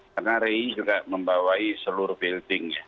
karena rei juga membawai seluruh buildingnya